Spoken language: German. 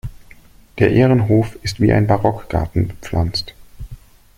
Der Ehrenhof ist wie ein Barockgarten bepflanzt.